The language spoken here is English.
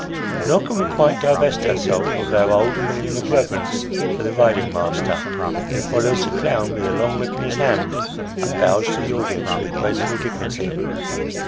Nor can we quite divest ourself of our old feeling of reverence for the riding master, who follows the clown with a long whip in his hand, and bows to the audience with graceful dignity.